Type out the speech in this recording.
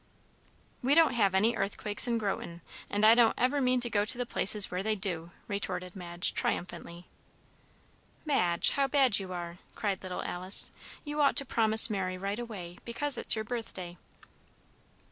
"We don't have any earthquakes in Groton, and I don't ever mean to go to places where they do," retorted Madge, triumphantly. "Madge, how bad you are!" cried little Alice. "You ought to promise Mary right away, because it's your birthday."